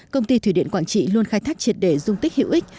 công ty thủy điện quảng trị luôn khai thác triệt đề dung tích hữu ích